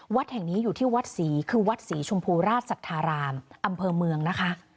วัดแห่งนี้อยู่ที่วัดศรีคือวัดศรีชมพูราชศรัทธารามอำเภอเมืองนะคะ